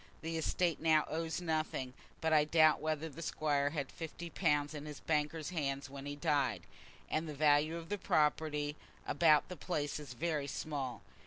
The estate now owes nothing; but I doubt whether the Squire had fifty pounds in his banker's hands when he died, and the value of the property about the place is very small.